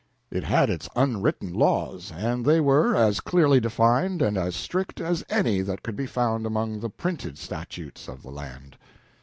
It had its unwritten laws, and they were as clearly defined and as strict as any that could be found among the printed statutes of the land.